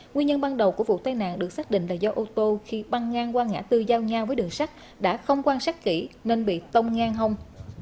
nguyên nhân ban đầu của vụ tai nạn được xác định là do ô tô khi băng ngang qua ngã tư giao nhau với đường sắt đã không quan sát kỹ nên bị tông ngang hông